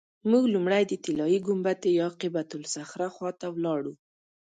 موږ لومړی د طلایي ګنبدې یا قبة الصخره خوا ته ولاړو.